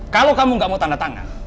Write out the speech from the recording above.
kalau kamu gak mau tanda tangan